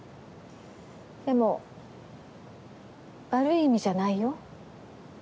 でも悪い意味じゃないよ。